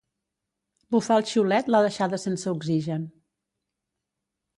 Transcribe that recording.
Bufar el xiulet l'ha deixada sense oxigen.